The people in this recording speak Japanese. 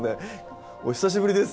お久しぶりですって。